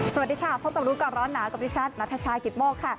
สวัสดีค่ะพบกับรู้ก่อนร้อนหนาวกับดิฉันนัทชายกิตโมกค่ะ